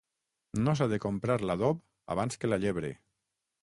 No s'ha de comprar l'adob abans que la llebre.